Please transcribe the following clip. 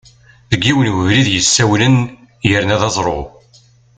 Deg yiwen webrid yessawnen yerna d aẓru.